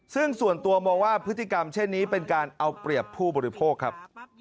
ซึ่งส่วนตัวมองว่าพฤติกรรมเช่นนี้เป็นการเอาเปรียบผู้บริโภคครับ